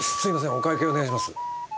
お会計お願いします。